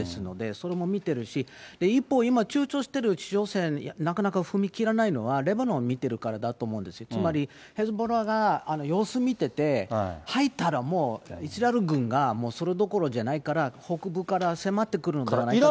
それも見てるし、一方、今ちゅうちょしている地上戦、なかなか踏み切らないのはレバノン見てるからだと思うんです、つまりヒズボラが様子見てて、入ったらもうイスラエル軍がそれどころじゃないから、北部から迫ってくるんではないかっていう。